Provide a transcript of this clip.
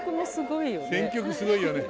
選曲もすごいよね。